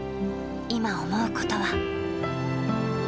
今思うことは。